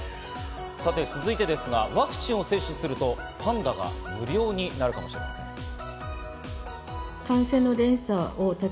続いてですがワクチンを接種するとパンダが無料になるかもしれません。